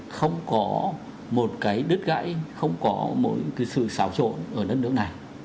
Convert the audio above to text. không có một cái đứt gãy không có một cái sự xáo trộn ở đất nước này